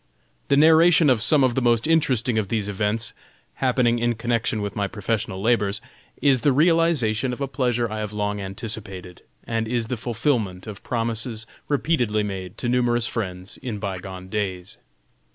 The narration of some of the most interesting of these events, happening in connection with my professional labors, is the realization of a pleasure I have long anticipated, and is the fulfillment of promises repeatedly made to numerous friends in by gone days.